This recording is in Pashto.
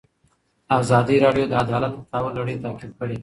ازادي راډیو د عدالت د تحول لړۍ تعقیب کړې.